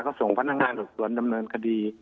ก็ส่งพันธกาลงานส่วนดำเนินคดี